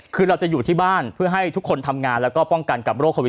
คือเราจะอยู่ที่บ้านเพื่อให้ทุกคนทำงานแล้วก็ป้องกันกับโรคโควิด๑